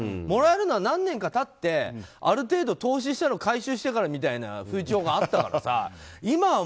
もらえるのは何年か経ってある程度、投資したのを回収してからっていう風潮があったからさ。